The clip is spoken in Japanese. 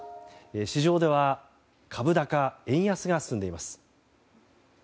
市場では株高円安が進んでいます。